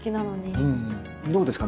どうですか？